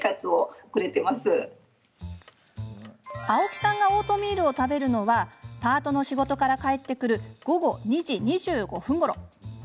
青木さんがオートミールを食べるのはパートの仕事から帰ってくる午後２時２５分ごろ。